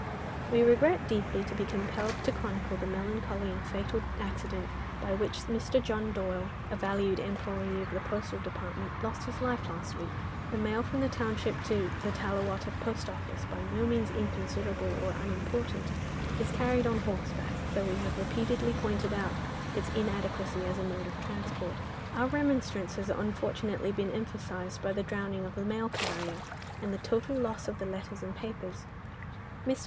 "We regret deeply to be compelled to chronicle the melancholy and fatal accident by which Mr. John Doyle, a valued employé of the Postal Department, lost his life last week. "The mail from the township to the Tallawatta Post Office, by no means inconsiderable or unimportant, is carried on horseback, though we have repeatedly pointed out its inadequacy as a mode of transport. Our remonstrance has unfortunately been emphasised by the drowning of the mail carrier, and the total loss of the letters and papers. Mr.